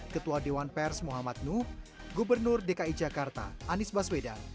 ketua dewan pers muhammad nuh gubernur dki jakarta anies baswedan